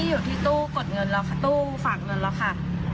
อยู่ลำปางเหรอคะ